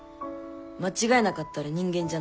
間違えなかったら人間じゃない。